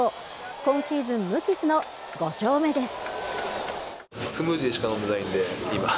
今シーズン無傷の５勝目です。